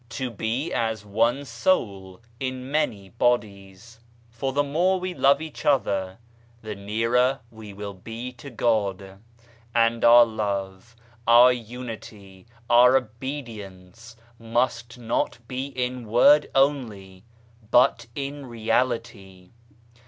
" To be as one soul in many bodies j for the more we love each other the nearer we will be to God ; and our love, our unity, our obedience, must not be in word only but in reality.